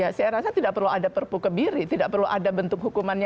ya saya rasa tidak perlu ada perpuk kebiri tidak perlu ada bentuk hukuman yang baru